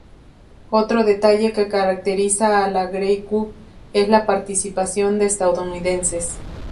Otro detalle que caracteriza a la Grey Cup es la participación de estadounidenses.